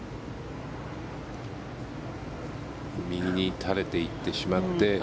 右に垂れていってしまって。